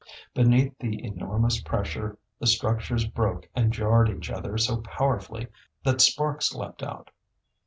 Beneath the enormous pressure the structures broke and jarred each other so powerfully that sparks leapt out.